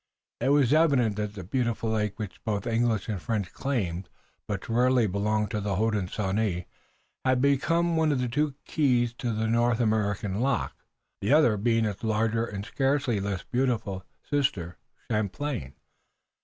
It was evident that the beautiful lake which both English and French claimed, but which really belonged to the Hodenosaunee, had become one of two keys to the North American lock, the other being its larger and scarcely less beautiful sister, Champlain.